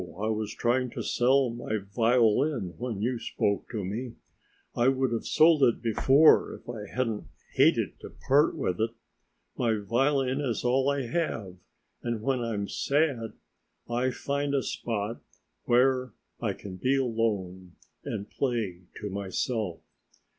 I was trying to sell my violin when you spoke to me, and I would have sold it before, if I hadn't hated to part with it. My violin is all I have and when I'm sad, I find a spot where I can be alone and play to myself.